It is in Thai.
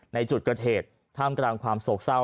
ในจุดเกิดเหตุท่ามกลางความโศกเศร้า